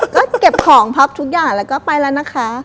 ก็เก็บของพับทุกอย่างแล้วก็ไปแล้วนะคะ